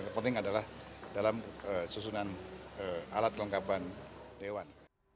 yang penting adalah dalam susunan alat kelengkapan dewan